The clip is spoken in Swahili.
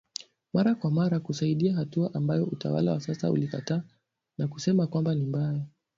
mara kwa mara kusaidia hatua ambayo utawala wa sasa ulikataa na kusema kwamba ni mbaya